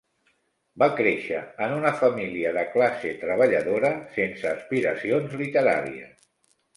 Va créixer en una família de classe treballadora sense aspiracions literàries.